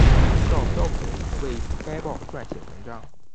邵飘萍曾为该报撰写文章。